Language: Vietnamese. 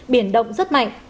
biển động rất mạnh